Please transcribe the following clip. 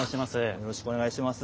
よろしくお願いします。